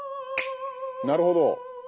なるほど！